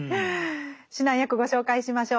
指南役ご紹介しましょう。